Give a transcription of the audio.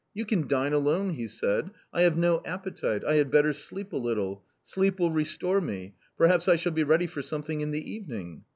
' You can dine alone,' he said ;' I have no appetite ; I had better sleep a little ; sleep will restore me ; perhaps I shall be ready for something in the even ing.'